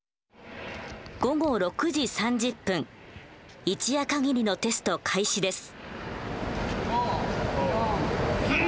午後６時３０分一夜限りのテスト開始です。